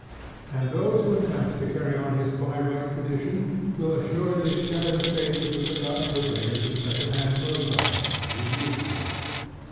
And those who attempt to carry on his Bayreuth tradition will assuredly share the fate of the forgotten purveyors of second hand Mozart a hundred years ago.